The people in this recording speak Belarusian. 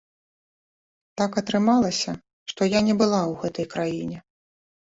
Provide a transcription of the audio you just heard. Так атрымалася, што я не была ў гэтай краіне.